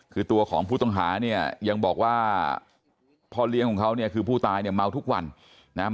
คือตัวของผู้ต้องหาเนี่ยยังบอกว่าพ่อเลี้ยงของเขาเนี่ยคือผู้ตายเนี่ยเมาทุกวันนะครับ